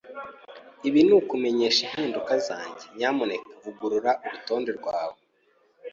Ibi nukumenyesha impinduka zanjye. Nyamuneka vugurura urutonde rwawe.